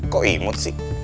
kok imut sih